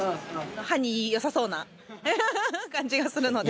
歯に良さそうな感じがするので。